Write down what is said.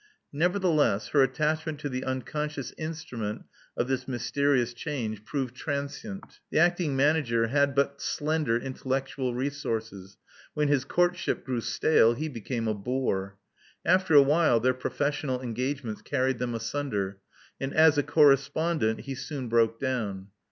Nevertheless, her attachment to the unconscious instrument of this mysterious change proved transient. i6o Love Among the Artists The acting manager had but slender intellectual resources : when his courtship grew stale, he became a bore. After a while, their professional engagements carried them astmder; and as a correspondent he soon broke down.